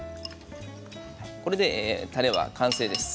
これで、たれは完成です。